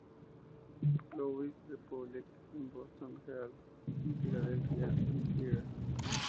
Louis Republic", el "Boston Herald", y el "Philadelphia Inquirer".